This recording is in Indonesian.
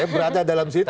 berada dalam situ